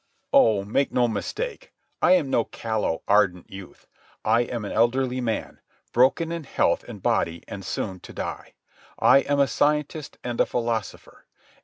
Oh, make no mistake. I am no callow, ardent youth. I am an elderly man, broken in health and body, and soon to die. I am a scientist and a philosopher.